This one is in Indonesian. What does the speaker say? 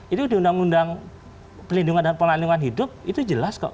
itu di undang undang pelindungan dan pola lingkungan hidup itu jelas kok